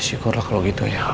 syukurlah kalau gitu ya